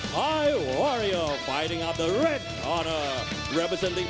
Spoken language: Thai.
เคยชกที่นี่แล้วครับใน๓ไฟล์หลังน้องหัวว่าชนะ๒แพ้เพียง๑